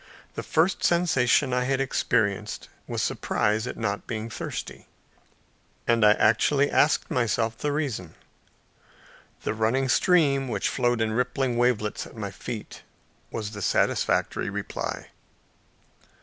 The first sensation I experienced was surprise at not being thirsty, and I actually asked myself the reason. The running stream, which flowed in rippling wavelets at my feet, was the satisfactory reply.